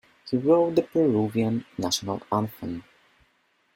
He wrote the Peruvian national anthem.